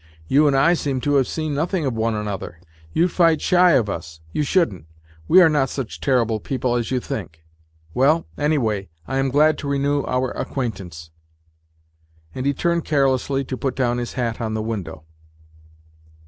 ' You and I seem to have seen nothing of one another. You fight shy of us. You shouldn't. We are not such terrible people as you think. Well, anyway, I am glad to renew our acquaintance." And he turned carelessly to put down his hat on the window.